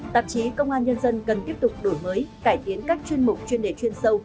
tạp chí công an nhân dân cần tiếp tục đổi mới cải tiến các chuyên mục chuyên đề chuyên sâu